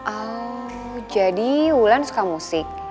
oh jadi wulan suka musik